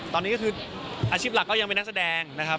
ตอนนี้ก็คืออาชีพหลักก็ยังเป็นนักแสดงนะครับ